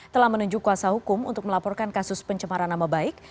telah menunjuk kuasa hukum untuk melaporkan kasus pencemaran nama baik